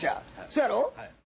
そやろ？